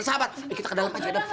sabar bener bener sabar